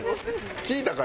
聞いたか？